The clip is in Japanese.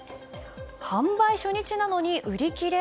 販売初日なのに売り切れ。